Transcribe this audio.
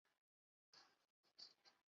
一级演员。